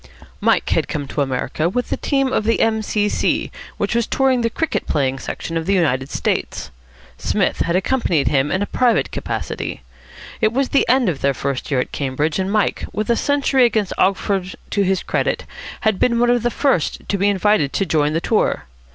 '" Mike had come to America with a team of the M.C.C. which was touring the cricket playing section of the United States. Psmith had accompanied him in a private capacity. It was the end of their first year at Cambridge, and Mike, with a century against Oxford to his credit, had been one of the first to be invited to join the tour.